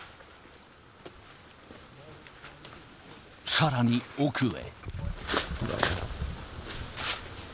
さらに奥へ。